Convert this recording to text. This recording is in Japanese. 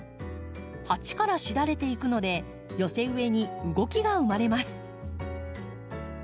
鉢からしだれていくので寄せ植えに動きが生まれます。